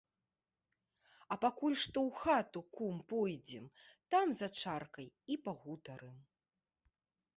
А пакуль што ў хату, кум, пойдзем, там за чаркай і пагутарым.